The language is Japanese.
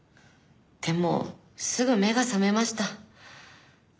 でもすぐ目が覚めました。